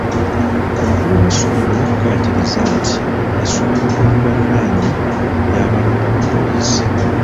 Omukulu w'essomero yakkaatiriza nti essomero eribaliraanye ly'abaloopa ku poliisi.